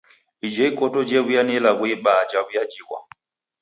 Ijo ikoto jew'uya nijo ilagho ibaa jaw'iajighwa